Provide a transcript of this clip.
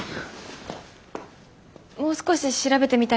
もう少し調べてみたいんです。